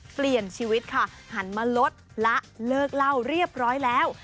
เปลี่ยนชีวิตค่ะหันมาลดและเลิกเล่าเรียบร้อยแล้ว